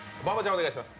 お願いします。